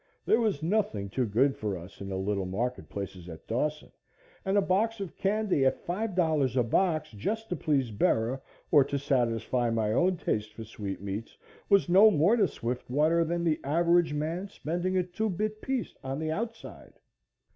There was nothing too good for us in the little market places at Dawson and a box of candy at $5 a box just to please Bera or to satisfy my own taste for sweetmeats was no more to Swiftwater than the average man spending a two bit piece on the outside.